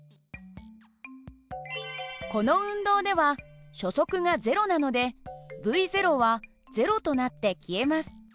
この運動では初速が０なのでυは０となって消えます。